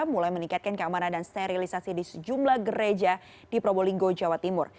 mulai meningkatkan keamanan dan sterilisasi di sejumlah gereja di probolinggo jawa timur